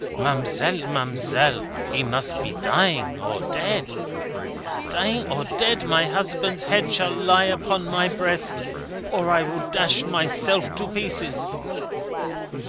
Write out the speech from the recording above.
"Ma'amselle, ma'amselle, he must be dying or dead." "Dying or dead, my husband's head shall lie upon my breast, or I will dash myself to pieces."